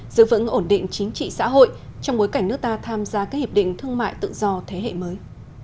giữ vững ổn định chính trị xã hội trong bối cảnh nước ta tham gia các hiệp định thương mại tự do thế hệ mới